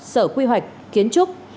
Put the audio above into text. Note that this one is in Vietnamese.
sở quy hoạch kiến trúc